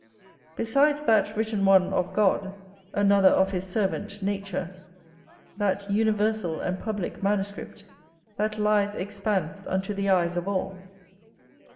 Besides that written one of God, another of his servant, nature, that universal and publick manuscript, that lies expansed unto the eyes of all.